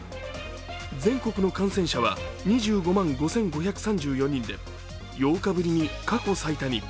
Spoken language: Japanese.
全国の感染者は２５万５５３４人で８日ぶりに過去最多に。